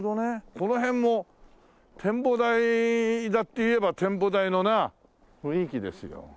この辺も展望台だって言えば展望台のな雰囲気ですよ。